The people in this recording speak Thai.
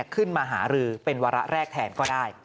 ขึ้นมาหารือเป็นวาระแรกแทนก็ได้